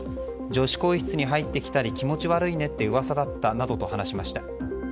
女子更衣室に入ってきたり気持ち悪いねって噂だったなどと話しました。